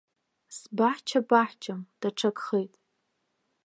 Сбаҳча баҳчам даҽакхеит.